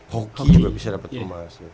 hoki juga bisa dapat emas